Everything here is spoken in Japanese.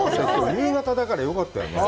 夕方だからよかったよね。